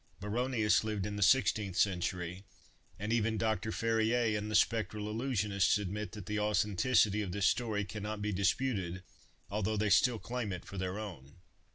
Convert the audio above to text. Baronius lived in the sixteenth century; and even Dr. Ferrier and the spectral illusionists admit that the authenticity of this story can not be disputed, although they still claim it for their own.